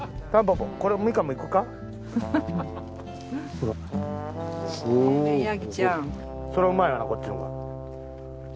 そらうまいよなこっちのが。